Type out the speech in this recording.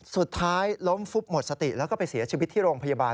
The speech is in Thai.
สุดท้ายล้มฟุบหมดสติแล้วก็ไปเสียชีวิตที่โรงพยาบาล